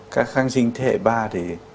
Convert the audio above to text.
các kháng sinh thế hệ ba thì